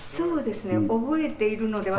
覚えているのでは。